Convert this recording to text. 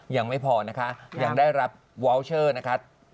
ยังไม่พอนะคะยังได้รับวาวเชอร์นะคะ